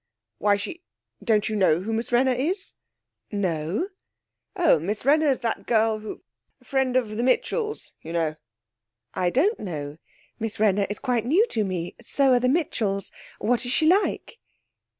'Why she Don't you know who Miss Wrenner is?' 'No.' 'Oh, Miss Wrenner's that girl who a friend of the Mitchells; you know.' 'I don't know. Miss Wrenner is quite new to me. So are the Mitchells. What is she like?'